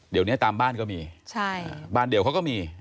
เดี๋ยวนี้ตามบ้านก็มีใช่บ้านเดียวเขาก็มี